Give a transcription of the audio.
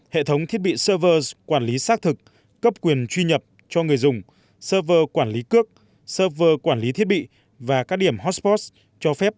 hệ thống thiết bị serverse quản lý xác thực cấp quyền truy nhập cho người dùng server quản lý cước server quản lý thiết bị và các điểm hosport cho phép